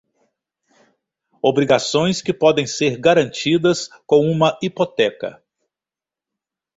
Obrigações que podem ser garantidas com uma hipoteca.